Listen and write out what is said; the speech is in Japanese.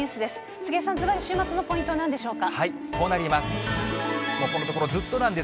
杉江さん、ずばり週末のポイントはなんでしょうか。